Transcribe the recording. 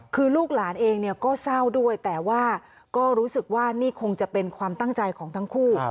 คือลูกหลานเองก็เศร้าด้วยแต่ว่าก็รู้สึกว่านี่คงจะเป็นความตั้งใจของทั้งคู่